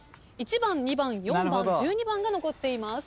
１番２番４番１２番が残っています。